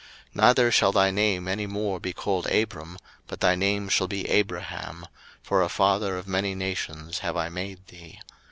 01:017:005 Neither shall thy name any more be called Abram, but thy name shall be Abraham; for a father of many nations have I made thee.